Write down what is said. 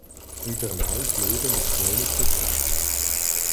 Über Mays Leben ist wenig bekannt.